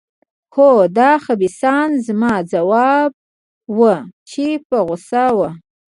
هو، دا خبیثان. زما ځواب و، چې په غوسه وو.